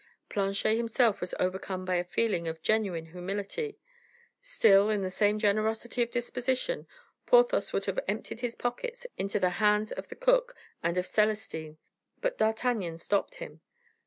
Planchet himself was overcome by a feeling of genuine humility. Still, in the same generosity of disposition, Porthos would have emptied his pockets into the hands of the cook and of Celestin; but D'Artagnan stopped him.